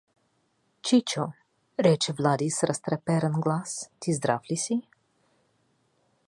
— Чичо — рече Влади с разтреперан глас, — ти здрав лиси?